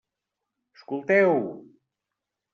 Escolteu!